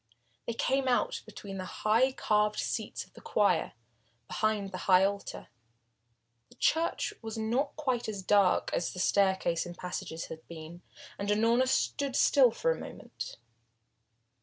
They came out between the high carved seats of the choir, behind the high altar. The church was not quite as dark as the staircase and passages had been, and Unorna stood still for a moment.